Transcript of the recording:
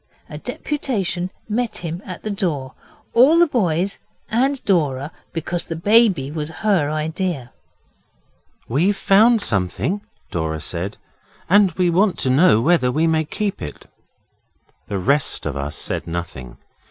A deputation met him at the door all the boys and Dora, because the baby was her idea. 'We've found something,' Dora said, 'and we want to know whether we may keep it.' The rest of us said nothing.